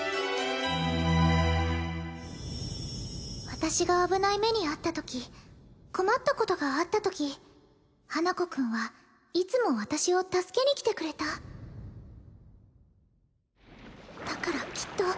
私が危ない目に遭った時困ったことがあった時花子くんはいつも私を助けに来てくれただからきっと